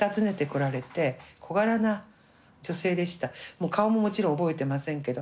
もう顔ももちろん覚えてませんけど。